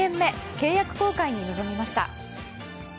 契約更改に臨みました。